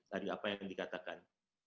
dari apa yang dikatakan